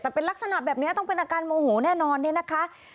แต่เป็นลักษณะแบบนี้ต้องเป็นอาการโมโหแน่นอนเนี่ยนะคะ